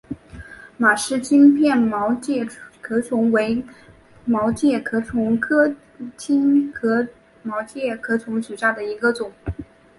马氏新片盾介壳虫为盾介壳虫科新片盾介壳虫属下的一个种。